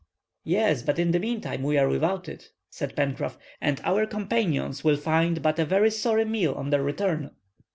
"Yes, but in the meantime we are without it," said Pencroff, "and our companions will find but a very sorry meal on their return."